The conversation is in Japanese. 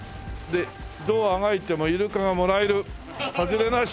「どうあがいてもイルカがもらえる！！」「ハズレなし」